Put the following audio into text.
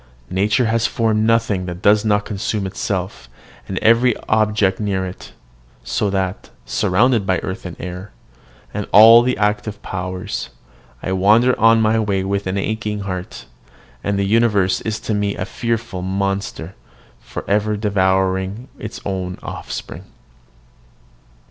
Nature has formed nothing that does not consume itself, and every object near it: so that, surrounded by earth and air, and all the active powers, I wander on my way with aching heart; and the universe is to me a fearful monster, for ever devouring its own offspring.